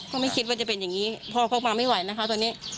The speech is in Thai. ก็ไม่คิดว่าจะเป็นอย่างนี้พ่อเขามาไม่ไหวนะคะตอนนี้